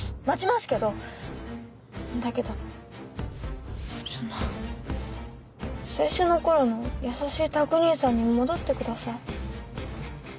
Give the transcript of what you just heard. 待ちますけどだけどその最初の頃の優しい拓兄さんに戻ってください。